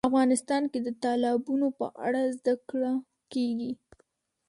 افغانستان کې د تالابونو په اړه زده کړه کېږي.